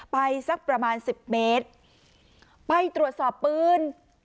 สักประมาณสิบเมตรไปตรวจสอบปืน